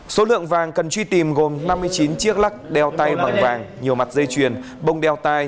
số lượng vàng cần truy tìm gồm năm mươi chín chiếc lắc đeo tay bằng vàng nhiều mặt dây chuyền bông đeo tay